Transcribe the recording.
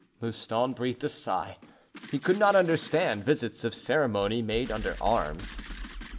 Mouston breathed a sigh; he couldn't understand visits of ceremony made under arms.